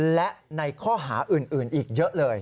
และในข้อหาอื่นอีกเยอะเลย